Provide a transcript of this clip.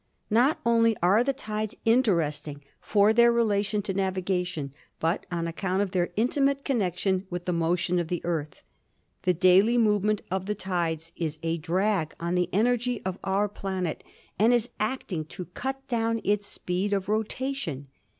Not only are the tides interesting for their relation to navigation, but on account of their intimate connection with the motion of the Earth. The daily movement of the tides is a drag on the energy of our planet and is acting to cut down its speed of rotation.